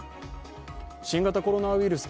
新型コロナウイルス